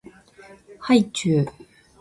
はいちゅう